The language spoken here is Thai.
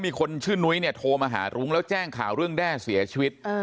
มีคนชื่อนุ้ยเนี่ยโทรมาหารุ้งแล้วแจ้งข่าวเรื่องแด้เสียชีวิต